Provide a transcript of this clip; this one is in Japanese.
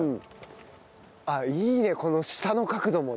あっいいねこの下の角度もね。